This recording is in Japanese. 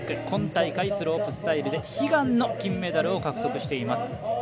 今大会スロープスタイルで悲願の金メダルを獲得しています。